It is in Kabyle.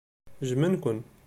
Jjmen-ken.